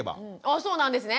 あそうなんですね。